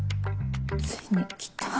ついに来た。